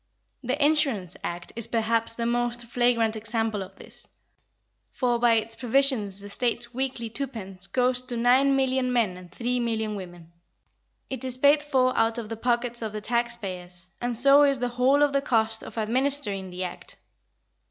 The Insurance Act is perhaps the most flagrant example of this, for by its provisions the State's weekly twopence goes to nine million men and three million women; it is paid for out of the pockets of the taxpayers, and so is the whole of the cost of administering the Act.